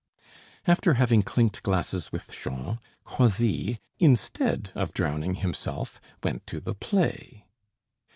After having clinked glasses with Jean, Croisilles, instead of drowning himself, went to the play.